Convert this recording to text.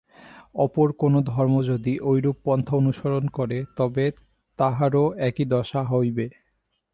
অপর কোন ধর্ম যদি ঐরূপ পন্থা অনুসরণ করে, তবে তাহারও একই দশা হইবে।